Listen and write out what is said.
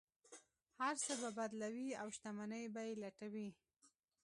هر څه به بدلوي او شتمنۍ به یې لوټوي.